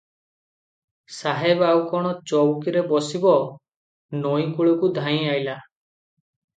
ସାହେବ ଆଉ କଣ ଚୌକିରେ ବସିବ, ନଈ କୂଳକୁ ଧାଇଁ ଅଇଲା ।